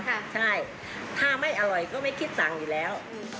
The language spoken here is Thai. ถ้าไม่อร่อยก็ไม่ทางให้ช่างอีกแล้ว